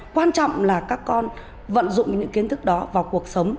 quan trọng là các con vận dụng những kiến thức đó vào cuộc sống